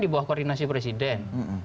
di bawah koordinasi presiden